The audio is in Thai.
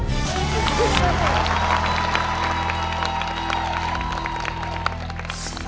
ถูก